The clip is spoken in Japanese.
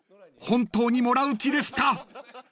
本当にもらう気ですか？］